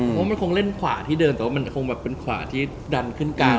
เพราะมันคงเล่นขวาที่เดินแต่ว่ามันคงแบบเป็นขวาที่ดันขึ้นกลาง